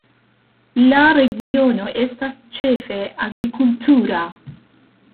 La regiono estas ĉefe agrikultura.